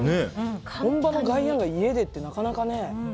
本場のガイヤーンが家でってなかなかね。